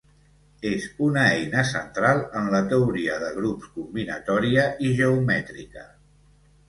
És una eina central en la teoria de grups combinatòria i geomètrica.